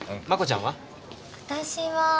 真子ちゃんは？